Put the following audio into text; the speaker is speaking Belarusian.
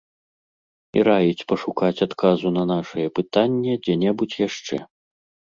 І раіць пашукаць адказу на нашае пытанне дзе-небудзь яшчэ.